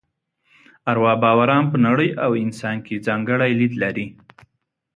اروا باوران په نړۍ او انسان کې ځانګړی لید لري.